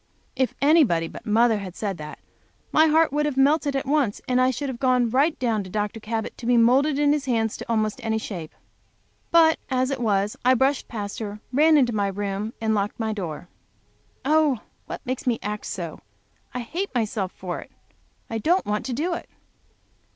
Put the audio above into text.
If anybody but mother had said that, my heart would have melted at once, and I should have gone right down to Dr. Cabot to be moulded in his hand to almost any shape. But as it was I brushed past, ran into my room, and locked my door. Oh, what makes me act so! I hate myself for it, I don't want to do it!